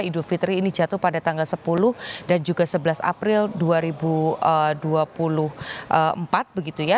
idul fitri ini jatuh pada tanggal sepuluh dan juga sebelas april dua ribu dua puluh empat begitu ya